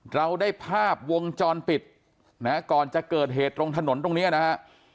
เราได้ภาพวงจรปิดนะฮะก่อนจะเกิดเหตุตรงถนนตรงเนี้ยนะฮะ